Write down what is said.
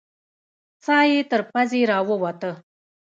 ساه يې تر پزې راووته.